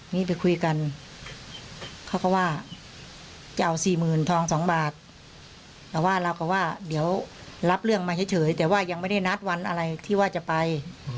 นี่ไปคุยกันเขาก็ว่าจะเอาสี่หมื่นทอง๒บาทแต่ว่าเราก็ว่าเดี๋ยวรับเรื่องมาเฉยแต่ว่ายังไม่ได้นัดวันอะไรที่ว่าจะไป